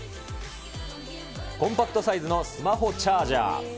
コンパクトサイズのスマホチャージャー。